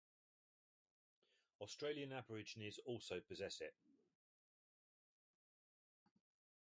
Australian Aborigenes also possess it.